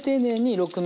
６面。